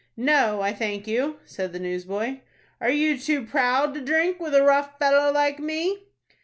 "No, I thank you," said the newsboy. "Are you too proud to drink with a rough fellow like me?"